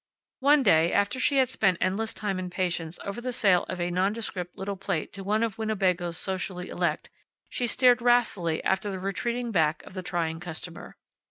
One day, after she had spent endless time and patience over the sale of a nondescript little plate to one of Winnebago's socially elect, she stared wrathfully after the retreating back of the trying customer.